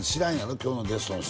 今日のゲストの人